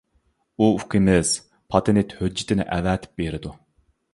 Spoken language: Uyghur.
ئۇ ئۇكىمىز پاتېنت ھۆججىتىنى ئەۋەتىپ بېرىدۇ.